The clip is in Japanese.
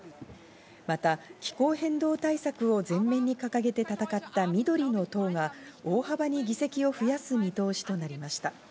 また気候変動対策を全面に掲げて戦った、緑の党が大幅に議席を増やす見通しとなりました。